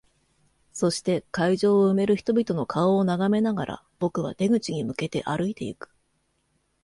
そして、会場を埋める人々の顔を眺めながら、僕は出口に向けて歩いていく。